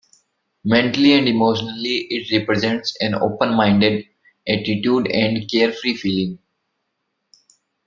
Mentally and emotionally, it represents an "open-minded" attitude and carefree feeling.